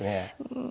うん。